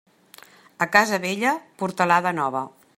A casa vella, portalada nova.